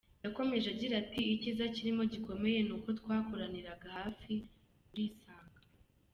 Yakomeje agira ati "Icyiza kirimo gikomeye ni uko twakoraniraga hafi, urisanga.